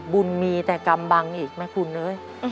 บุญมีแต่กำบังอีกไหมคุณเอ้ย